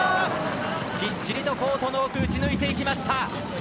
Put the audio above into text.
きっちりとコートの奥打ち抜いていきました。